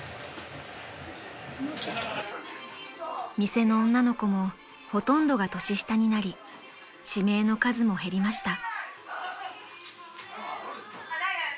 ［店の女の子もほとんどが年下になり指名の数も減りました］